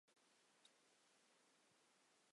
兼检讨。